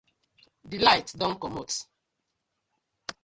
DI light don komot.